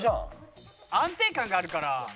安定感があるから。